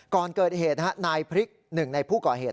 ก่อนเกิดเหตุนายพริกหนึ่งในผู้ก่อเหตุ